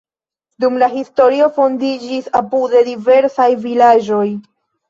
Dum la historio fondiĝis apude diversaj vilaĝoj.